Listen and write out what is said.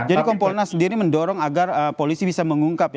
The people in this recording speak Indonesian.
jadi kompona sendiri mendorong agar polisi bisa mengungkap